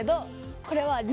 これは。